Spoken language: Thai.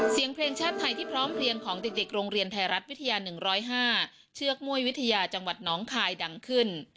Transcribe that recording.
เสียงเพลงชาติไทยที่พร้อมเพลียงของเด็กโรงเรียนไทยรัฐวิทยา๑๐๕เชือกม่วยวิทยาจังหวัดน้องคายดังขึ้น